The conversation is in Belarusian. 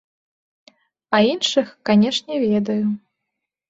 А іншых, канешне, ведаю.